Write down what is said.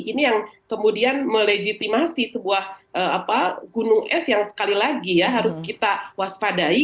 ini yang kemudian melejitimasi sebuah gunung es yang sekali lagi ya harus kita waspadai